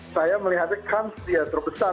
saya melihatnya kans dia terbesar